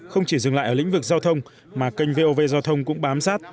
không chỉ dừng lại ở lĩnh vực giao thông mà kênh vov giao thông cũng bám sát